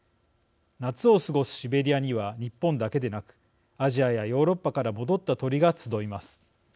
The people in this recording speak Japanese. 夏を過ごすシベリアには日本だけでなくアジアやヨーロッパから戻った鳥が集います。